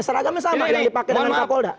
seragamnya sama yang dipakai dengan kapolda